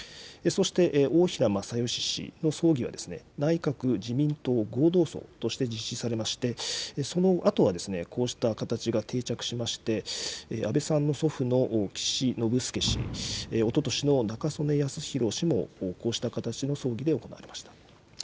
そして、大平正芳氏の葬儀は、内閣・自民党合同葬として実施されまして、そのあとは、こうした形が定着しまして、安倍さんの祖父の岸信介氏、おととしの中曽根康弘氏もこうした形の葬儀で行われました。